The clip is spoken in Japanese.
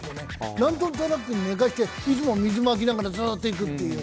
何トントラックに寝かせて、いつも水まきながらずっと行くという。